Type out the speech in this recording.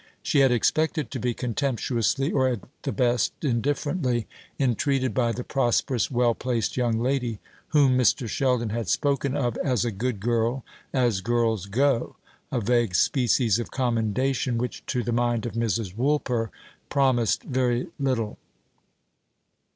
She had expected to be contemptuously or, at the best, indifferently entreated by the prosperous well placed young lady, whom Mr. Sheldon had spoken of as a good girl, as girls go; a vague species of commendation, which, to the mind of Mrs. Woolper, promised very little.